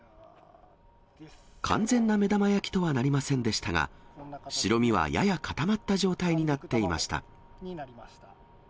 完全な目玉焼きとはなりませんでしたが、白身はやや固まった状態になっていました。